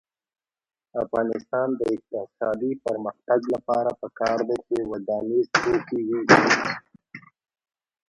د افغانستان د اقتصادي پرمختګ لپاره پکار ده چې ودانیز توکي وي.